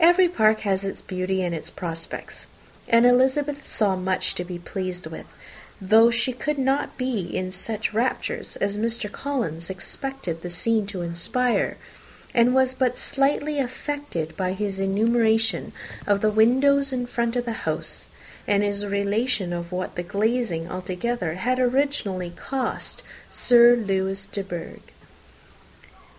Every park has its beauty and its prospects; and Elizabeth saw much to be pleased with, though she could not be in such raptures as Mr. Collins expected the scene to inspire, and was but slightly affected by his enumeration of the windows in front of the house, and his relation of what the glazing altogether had originally cost Sir Lewis de Bourgh.